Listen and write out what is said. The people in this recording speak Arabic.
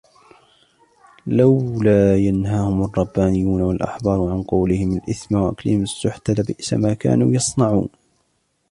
لولا ينهاهم الربانيون والأحبار عن قولهم الإثم وأكلهم السحت لبئس ما كانوا يصنعون